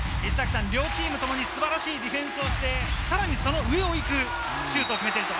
両チームともに素晴らしいディフェンスをして、さらにその上を行くシュートを決めていると。